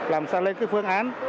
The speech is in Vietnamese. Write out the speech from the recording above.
làm sao lên phương án